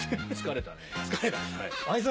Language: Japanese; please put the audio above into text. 疲れたね。